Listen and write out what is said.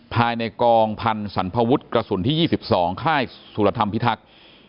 ภายในกองพันธ์สันพวุฒิกระสุนที่๒๒ค่ายสุรธรรมพิทักษ์